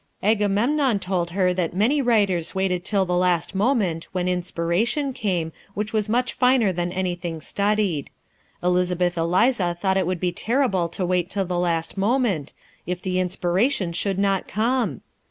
Agamemnon told her that many writers waited till the last moment, when inspiration came, which was much finer than anything studied. Elizabeth Eliza thought it would be terrible to wait till the last moment, if the inspiration should not come!